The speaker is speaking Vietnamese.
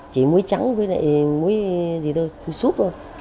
chỉ muối trắng với lại muối gì thôi muối súp thôi